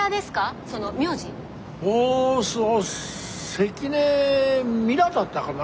関根ミラだったかな？